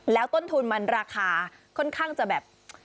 แล้วต้นทุนมันราคาค่อนข้างจะแบบ